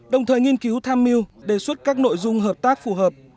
đồng thời nghiên cứu tham mưu đề xuất các nội dung hợp tác phù hợp